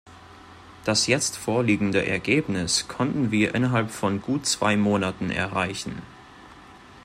Das jetzt vorliegende Ergebnis konnten wir innerhalb von gut zwei Monaten erreichen.